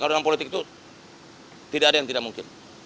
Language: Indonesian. kalau dalam politik itu tidak ada yang tidak mungkin